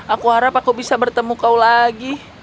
aku harap aku bisa bertemu kau lagi